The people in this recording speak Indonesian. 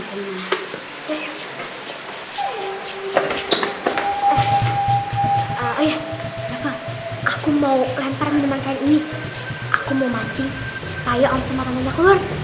ayah aku mau lempar minuman kain ini aku mau mancing supaya om sama temennya keluar